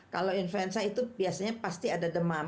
kalau influenza itu biasanya pasti ada demam